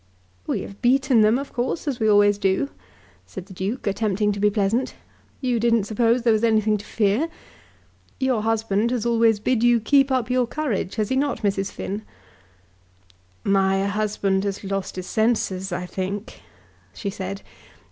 "We have beaten them, of course, as we always do," said the Duke, attempting to be pleasant. "You didn't suppose there was anything to fear? Your husband has always bid you keep up your courage; has he not, Mrs. Finn?" "My husband has lost his senses, I think," she said.